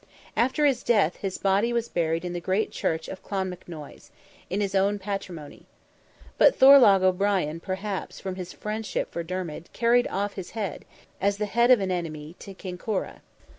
After his death, his body was buried in the great Church of Clonmacnoise, in his own patrimony. But Thorlogh O'Brien perhaps, from his friendship for Dermid, carried off his head, as the head of an enemy, to Kinkora.